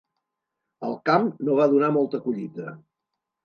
El camp no va donar molta collita.